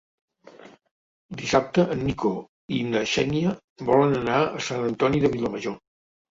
Dissabte en Nico i na Xènia volen anar a Sant Antoni de Vilamajor.